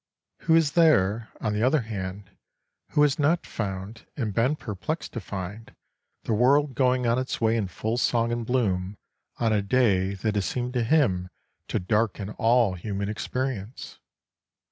Who is there, on the other hand, who has not found, and been perplexed to find, the world going on its way in full song and bloom on a day that has seemed to him to darken all human experience?